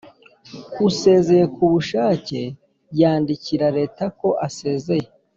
Usezeye ku bushake yandikira leta ko asezeye.